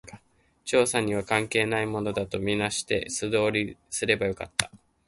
調査には関係ないものだと見なして、素通りすればよかった